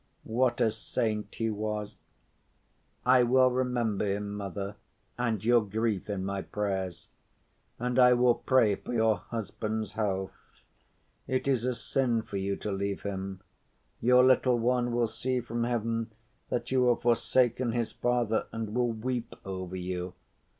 "What a saint he was! I will remember him, mother, and your grief in my prayers, and I will pray for your husband's health. It is a sin for you to leave him. Your little one will see from heaven that you have forsaken his father, and will weep over you.